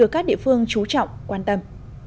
chú trọng quan tâm